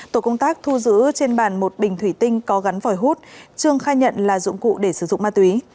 tổ công tác thu giữ trên bàn một bình thủy tinh có gắn vòi hút trương khai nhận là dụng cụ để sử dụng ma túy